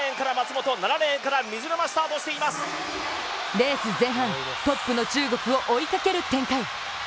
レース前半、トップの中国を追いかける展開。